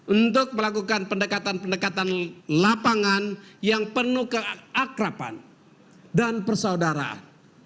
untuk melakukan pendekatan pendekatan lapangan yang penuh keakrapan dan persaudaraan